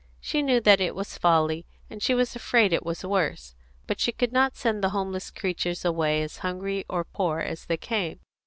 She knew that it was folly, and she was afraid it was worse, but she could not send the homeless creatures away as hungry or poor as they came.